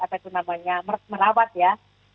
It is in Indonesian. apa itu namanya merawat ya